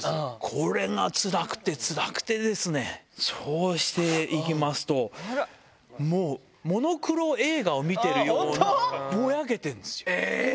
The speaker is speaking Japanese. これがつらくてつらくてですね、そしていきますと、もう、モノクロ映画を見てるようええっ。